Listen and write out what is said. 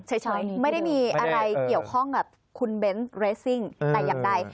ใช่ไม่ได้มีอะไรเกี่ยวข้องกับคุณเบนส์เรสซิ่งใด